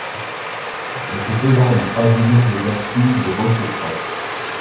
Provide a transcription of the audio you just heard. Mais ce faisant, ils fragilisent les appuis du rocher proche.